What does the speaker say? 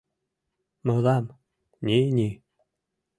— Мылам — ни-ни!